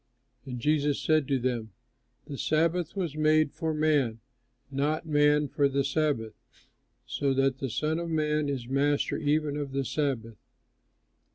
And Jesus said to them, "The Sabbath was made for man, and not man for the Sabbath; so that the Son of Man is master even of the Sabbath."